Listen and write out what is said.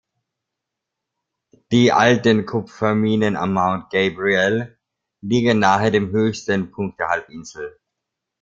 Die alten Kupferminen am Mount Gabriel liegen nahe dem höchsten Punkt der Halbinsel.